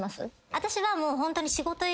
私はもうホントに」